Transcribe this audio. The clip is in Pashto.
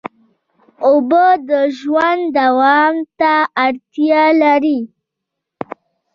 اوبه د ژوند دوام ته اړتیا دي.